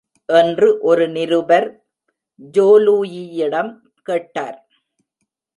என்று ஒரு நிருபர் ஜோலூயியிடம் கேட்டார்.